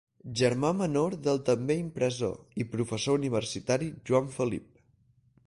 Germà menor del també impressor –i professor universitari– Joan Felip.